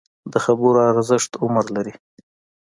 د خبرو ارزښت عمر لري